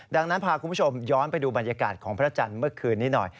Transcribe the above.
ดังนั้นพาคุณผู้ชมย้อนไปดูบรรยากาศของพระจันทร์เมื่อคืนนี้หน่อย